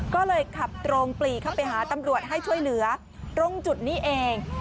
ก็เลยขับตรงปลีเข้าไปหาตำรวจให้ช่วยเหลือตรงจุดนี้เอง